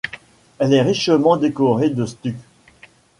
Elle est richement décorée de stucs.